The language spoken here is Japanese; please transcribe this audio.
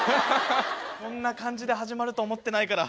こんな感じで始まると思ってないから。